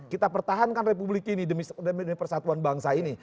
kita pertahankan republik ini demi demi persatuan bangsa ini